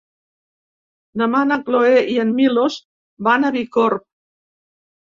Demà na Cloè i en Milos van a Bicorb.